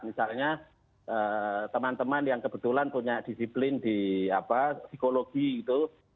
misalnya teman teman yang kebetulan punya disiplin di psikologi gitu